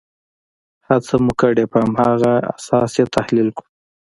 هڅه مو کړې په هماغه اساس یې تحلیل کړو.